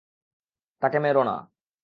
তাকে মেরো না।